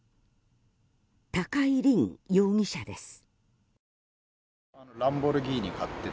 高井凜容疑者です。